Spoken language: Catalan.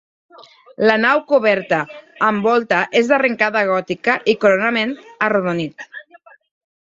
La nau coberta amb volta és d'arrencada gòtica i coronament arrodonit.